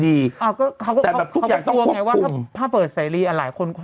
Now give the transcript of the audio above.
ใดแต่ทุกอย่างเขากลัวไงว่าข้าเปิดใสรีอ่ะหลายคน